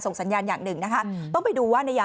พ่อแบมนี่แหละ